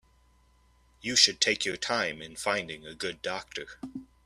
You should take your time in finding a good doctor.